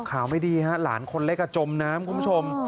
ข่าวไม่ดีฮะหลานคนเล็กจมน้ำคุณผู้ชม